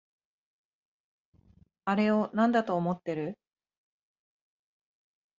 あれをなんだと思ってる？